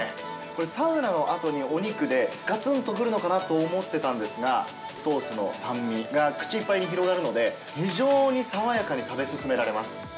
これ、サウナのあとにお肉で、がつんとくるのかなと思ってたんですが、ソースの酸味が口いっぱいに広がるので、非常に爽やかに食べ進められます。